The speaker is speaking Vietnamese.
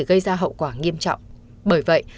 gây ra hậu quả nghiêm trọng bởi vậy